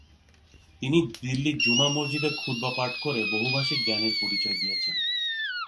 তিনি দিল্লি জুমা মসজিদে খুতবা পাঠ করে বহুভাষীক জ্ঞানের পরিচয় দিয়েছেন।